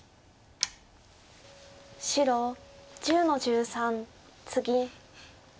白１０の十三ツギ。